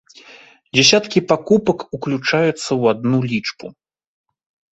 Дзесяткі пакупак уключаюцца ў адну лічбу.